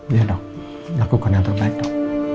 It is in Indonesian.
iya dok lakukan yang terbaik dok